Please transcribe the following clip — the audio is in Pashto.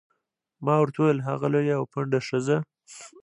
ما ورته وویل: هغه لویه او پنډه ښځه.